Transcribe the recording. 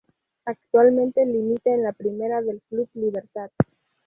Actualmente limita en la primera del Club Libertad.